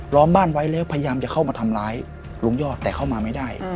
ล้อมบ้านไว้แล้วพยายามจะเข้ามาทำร้ายลุงยอดแต่เข้ามาไม่ได้